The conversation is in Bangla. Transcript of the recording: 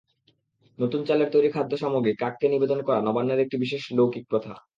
নতুন চালের তৈরি খাদ্যসামগ্রী কাককে নিবেদন করা নবান্নের একটি বিশেষ লেৌকিক প্রথা।